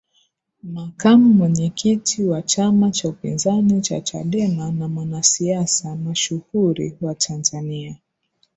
Makamu Mwenyekiti wa chama cha upinzani cha Chadema na mwanasiasa mashuhuri wa Tanzania